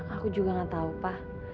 aku juga gak tahu pak